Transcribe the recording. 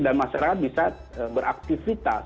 dan masyarakat bisa beraktivitas